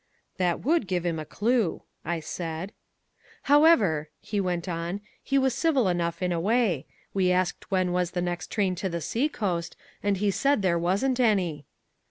"That would give him a clue," I said. "However," he went on, "he was civil enough in a way. We asked when was the next train to the sea coast, and he said there wasn't any."